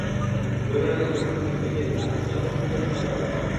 পরিবারের লোকজন ঘটনাস্থলে গিয়ে দেখেন আবদুল সালামকে কুপিয়ে হত্যা করা হয়েছে।